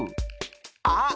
あっ！